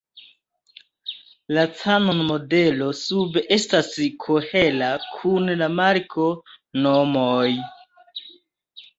La Canon modelo sube estas kohera kun la marko-nomoj.